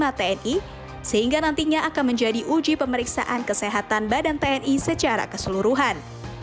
kepala tni sehingga nantinya akan menjadi uji pemeriksaan kesehatan badan tni secara keseluruhan